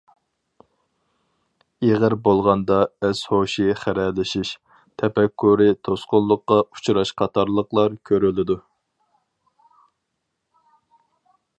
ئېغىر بولغاندا ئەس-ھوشى خىرەلىشىش، تەپەككۇرى توسقۇنلۇققا ئۇچراش قاتارلىقلار كۆرۈلىدۇ.